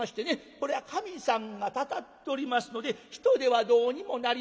「こりゃ神さんがたたっておりますので人ではどうにもなりません」